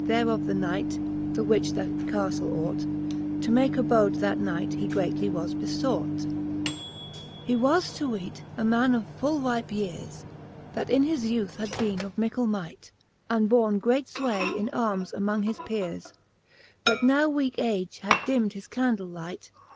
There of the Knight, the which that Caftle ought, To make abode that night he greatly was befought, III. He 240 The fixth Booke of Cant. HI. III. He was to weete a man of full ripe yeares, That in his youth had beene of mickle might, And borne great fvvay in armes amongft his peares: But now weake age had dimd his candle light.